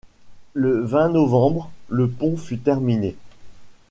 Le vingt novembre, le pont fut terminé.